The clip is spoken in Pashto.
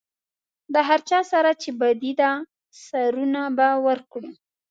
د هر چا سره چې بدي ده سرونه به ورکړو.